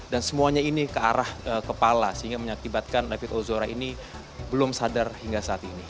dan semuanya ini ke arah kepala sehingga menyebabkan david hozora ini belum sadar hingga saat ini